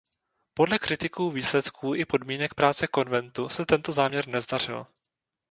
Podle kritiků výsledků i podmínek práce Konventu se tento záměr nezdařil.